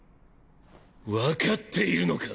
わかっているのか！